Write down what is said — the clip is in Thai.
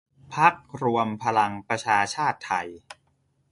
พรรครวมพลังประชาชาติไทย